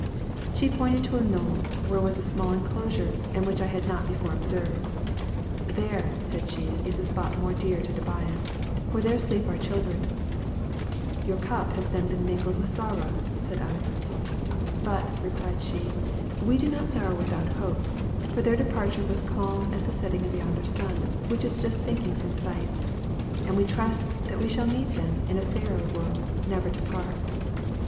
She pointed to a knoll, where was a small enclosure, and which I had not before observed. "There," said she, "is a spot more dear to Tobias; for there sleep our children." "Your cup has then been mingled with sorrow?" said I. "But," replied she, "we do not sorrow without hope; for their departure was calm as the setting of yonder sun, which is just sinking from sight; and we trust that we shall meet them in a fairer world, never to part."